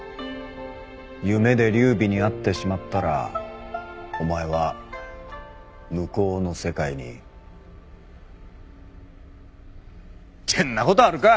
夢で劉備に会ってしまったらお前は向こうの世界に。ってんなことあるか！